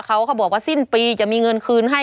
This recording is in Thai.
เขาบอกว่าสิ้นปีจะมีเงินคืนให้